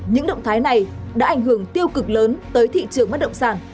những động thái này đã ảnh hưởng tiêu cực lớn tới thị trường bất động sản